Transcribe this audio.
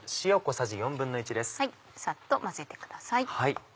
さっと混ぜてください。